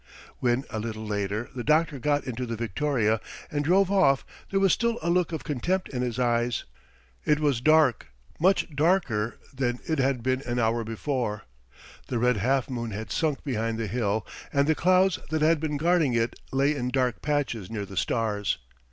When a little later the doctor got into the victoria and drove off there was still a look of contempt in his eyes. It was dark, much darker than it had been an hour before. The red half moon had sunk behind the hill and the clouds that had been guarding it lay in dark patches near the stars.